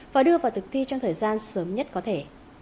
và đưa vào thực thi trong thời gian sớm nhất có thể